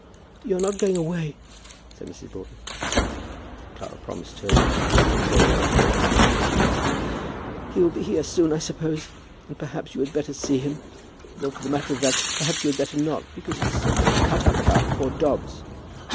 "You are not going away," said Mrs. Broughton. Clara promised her that she would not go without coming back again. "He will be here soon, I suppose, and perhaps you had better see him; though, for the matter of that, perhaps you had better not, because he is so much cut up about poor Dobbs."